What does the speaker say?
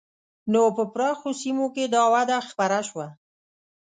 نو په پراخو سیمو کې دا وده خپره شوه.